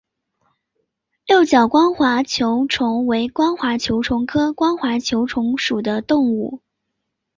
六角光滑球虫为光滑球虫科光滑球虫属的动物。